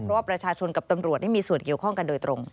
เพราะว่าประชาชนกับตำรวจนี่มีส่วนเกี่ยวข้องกันโดยตรง